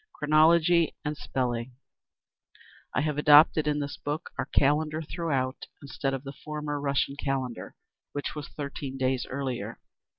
Chronology and Spelling I have adopted in this book our Calendar throughout, instead of the former Russian Calendar, which was thirteen days earlier.